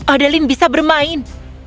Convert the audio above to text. odeline bisa bermain